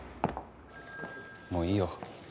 もういいよ。